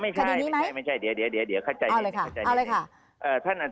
ไม่ใช่เอาเลยค่ะ